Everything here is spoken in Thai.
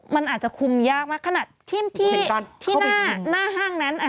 มันอาจจะคุมยากมากขนาดที่หน้าห้างนั้น